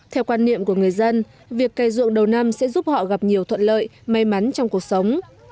theo quan niệm của người dân việc cây ruộng đầu năm sẽ giúp họ gặp nhiều thuận lợi may mắn trong cuộc sống